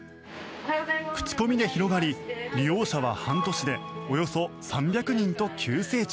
口コミで広がり、利用者は半年でおよそ３００人と急成長。